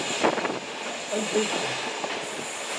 A lḥif-ik!